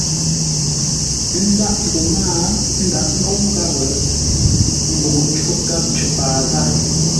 N ndǎghʼ mbô mâa ndǎghʼ ńgóu gháp, mboŋə́ cóʼ gháp cər paa zâa.